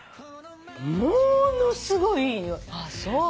ものすごいいいにおい。